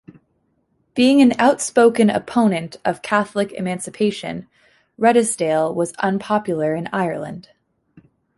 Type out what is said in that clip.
Being an outspoken opponent of Catholic Emancipation, Redesdale was unpopular in Ireland.